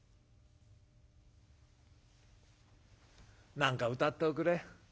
「『何か歌っておくれ。